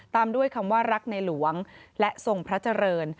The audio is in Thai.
ตามด้วยคำว่ารักในหลวงและทรงพระเจริญ